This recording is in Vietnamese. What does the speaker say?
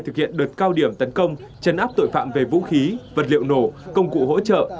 thực hiện đợt cao điểm tấn công chấn áp tội phạm về vũ khí vật liệu nổ công cụ hỗ trợ